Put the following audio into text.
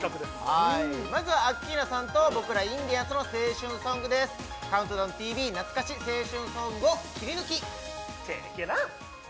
はいまずはアッキーナさんと僕らインディアンスの青春ソングです「ＣＤＴＶ」懐かし青春ソングをキリヌキチェケラ